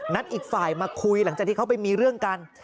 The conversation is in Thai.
อีกฝ่ายมาคุยหลังจากที่เขาไปมีเรื่องกัน